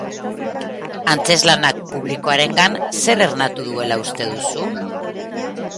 Antzezlanak publikoarengan zer ernatu duela uste duzu?